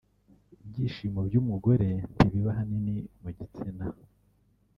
Ibyishimo by’umugore ntibiba ahanini mu gitsina